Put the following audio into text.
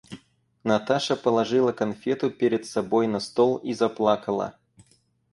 Наташа положила конфету перед собой на стол и заплакала.